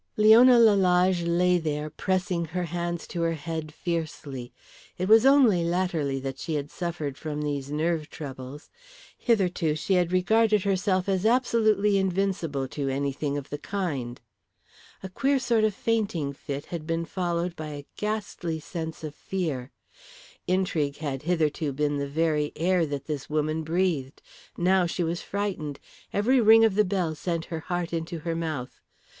Leona Lalage lay there pressing her hands to her head fiercely. It was only latterly that she had suffered from these nerve troubles. Hitherto she had regarded herself as absolutely invincible to anything of the kind. A queer sort of fainting fit had been followed by a ghastly sense of fear. Intrigue had hitherto been the very air that this woman breathed. Now she was frightened, every ring of the bell sent her heart into her mouth.